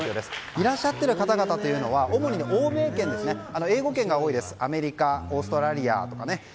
いらっしゃっている方々は主に英語圏が多いですアメリカ、オーストラリアとか。